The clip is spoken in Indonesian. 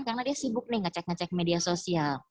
karena dia sibuk nih ngecek ngecek media sosial